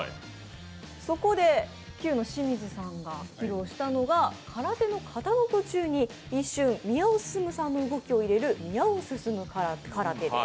そこできゅうの清水さんが披露したのが空手の型の途中に、一瞬、宮尾すすむさんの動きを入れる、宮尾すすむ空手です。